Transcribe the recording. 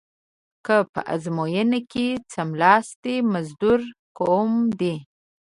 که په ازموینه کې څملاستلې مزدور کوم دې.